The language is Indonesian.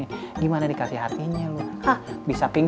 lagi saya ada di pantin